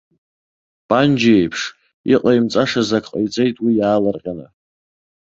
Панџьа иеиԥш, иҟаимҵашаз ак ҟаиҵеит уи иаалырҟьаны.